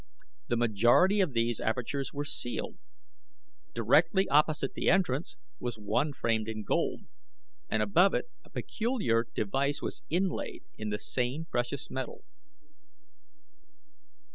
The majority of these apertures were sealed. Directly opposite the entrance was one framed in gold, and above it a peculiar device was inlaid in the same precious metal.